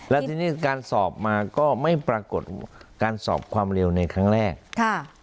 และทีนี้การสอบมาก็ไม่ปรากฏการสอบความเร็วในครั้งแรกค่ะ